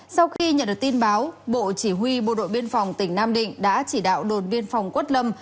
sau khi nhận được tin báo bộ chỉ huy bộ đội biên phòng tỉnh nam định đã chỉ đạo đồn biên phòng quất lâm